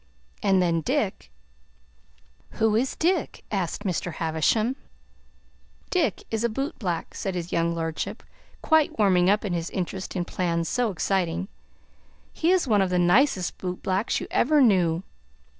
And then Dick " "Who is Dick?" asked Mr. Havisham. "Dick is a boot black," said his young lordship, quite warming up in his interest in plans so exciting. "He is one of the nicest boot blacks you ever knew.